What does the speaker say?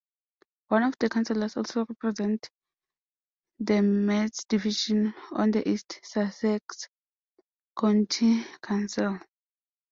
One of the councillors also represents the Meads division on East Sussex County Council.